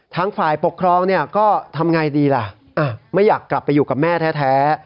ทางฝ่ายปกครองเนี่ยก็ทำไงดีล่ะไม่อยากกลับไปอยู่กับแม่แท้